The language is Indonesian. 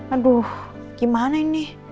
aduh gimana ini